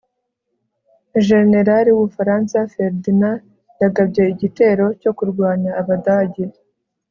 jenerali w'ubufaransa ferdinand yagabye igitero cyo kurwanya abadage